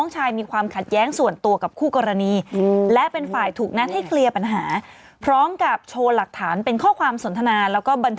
เจ้าอยากเห็นสุดจังคนที่เขียนอย่างเนาสุดจัง